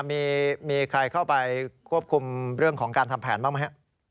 มีใครเข้าไปควบคุมเรื่องของการทำแผนบ้างไหมครับ